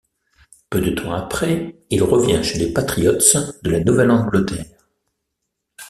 Peu de temps après, il revient chez les Patriots de la Nouvelle-Angleterre.